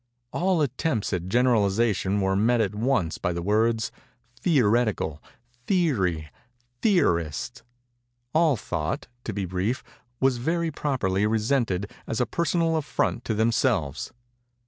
All attempts at generalization were met at once by the words 'theoretical,' 'theory,' 'theorist'—all thought, to be brief, was very properly resented as a personal affront to themselves.